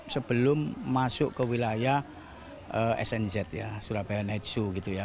sebelum masuk ke wilayah snz ya surabaya net zoo gitu ya